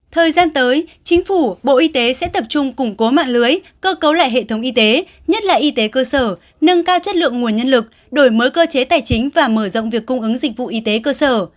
thời gian tới chính phủ bộ y tế sẽ tập trung củng cố mạng lưới cơ cấu lại hệ thống y tế nhất là y tế cơ sở nâng cao chất lượng nguồn nhân lực đổi mới cơ chế tài chính và mở rộng việc cung ứng dịch vụ y tế cơ sở